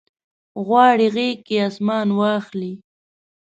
غواړي غیږ کې اسمان واخلي